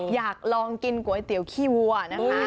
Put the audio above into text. อยากลองกินก๋วยเตี๋ยวขี้วัวนะคะ